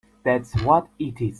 That’s what it is!